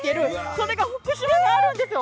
それが福島にあるんですよ！